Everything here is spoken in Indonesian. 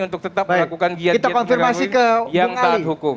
untuk tetap melakukan gian gian yang terlalu yang tak hukum